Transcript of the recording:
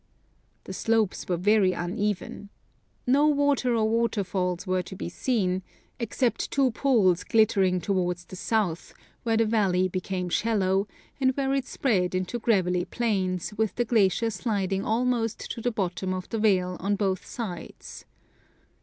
The slopes were very uneven. No water or waterfalls were to be seen, except two pools glitter ing towards the south, where the valley became shallow, and where it spread into gravelly plains, with the glacier sliding almost to the bottom of the vale on both sides.